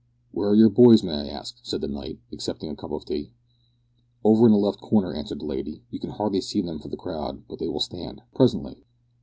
"Where are your boys, may I ask?" said the knight, accepting a cup of tea. "Over in the left corner," answered the lady. "You can hardly see them for the crowd, but they will stand presently."